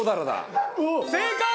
正解！